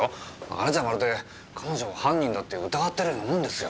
あれじゃまるで彼女を犯人だって疑ってるようなもんですよ。